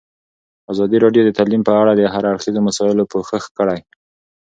ازادي راډیو د تعلیم په اړه د هر اړخیزو مسایلو پوښښ کړی.